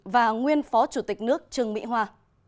và nguyên phó chủ tịch nước trương mỹ hoa